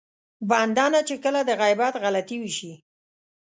بنده نه چې کله د غيبت غلطي وشي.